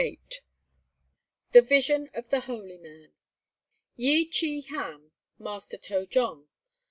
VIII THE VISION OF THE HOLY MAN Yi Chi Ham (Master To jong).